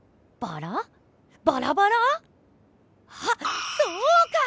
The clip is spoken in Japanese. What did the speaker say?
バラバラ⁉あっそうか！